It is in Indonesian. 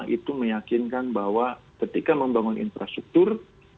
itu meyakinkan bahwa ketika membangun infrastruktur